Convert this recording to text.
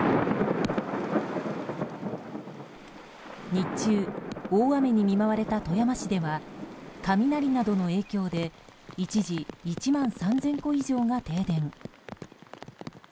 日中大雨に見舞われた富山市では雷などの影響で一時１万３０００戸以上が停電。